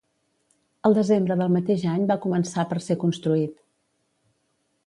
El desembre del mateix any va començar per ser construït.